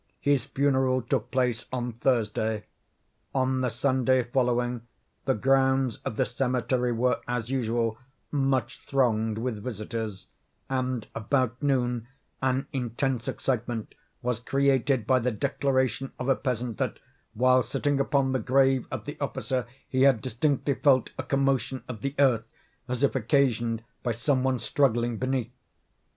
His funeral took place on Thursday. On the Sunday following, the grounds of the cemetery were, as usual, much thronged with visitors, and about noon an intense excitement was created by the declaration of a peasant that, while sitting upon the grave of the officer, he had distinctly felt a commotion of the earth, as if occasioned by some one struggling beneath.